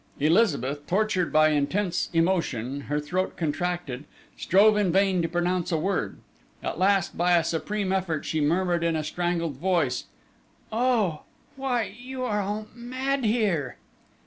Elizabeth, tortured by intense emotion, her throat contracted, strove in vain to pronounce a word; at last, by a supreme effort, she murmured in a strangled voice: "Oh! Why, you are all mad here!"